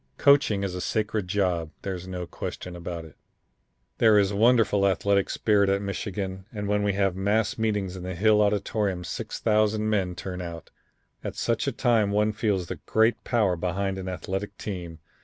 Coaching is a sacred job. There's no question about it. "There is a wonderful athletic spirit at Michigan, and when we have mass meetings in the Hill Auditorium 6000 men turn out. At such a time one feels the great power behind an athletic team.